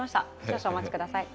少々お待ちください。